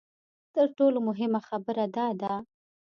تر ټولو مهمه خبره دا ده.